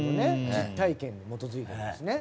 実体験に基づいてますね。